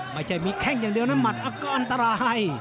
ไม่ใช่มีแข้งอย่างเดียวนะหมัดอาการอันตราย